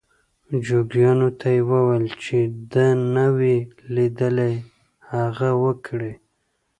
جوګیانو ته یې وویل چې ده نه وي لیدلي هغه وکړي.